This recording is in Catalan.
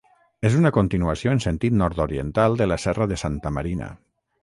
És una continuació en sentit nord-oriental de la serra de Santa Marina.